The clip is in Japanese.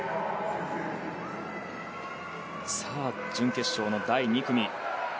準決勝の第２組。